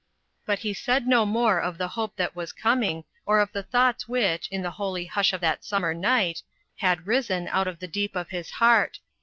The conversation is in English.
But he said no more of the hope that was coming, or of the thoughts which, in the holy hush of that summer night, had risen out of the deep of his heart.